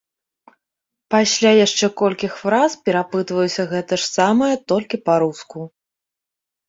Пасля яшчэ колькіх фраз перапытваюся гэта ж самае толькі па-руску.